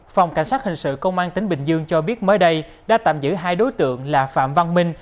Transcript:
phòng cảnh sát hình sự công an tỉnh bình dương cho biết mới đây đã tạm giữ hai đối tượng là phạm văn minh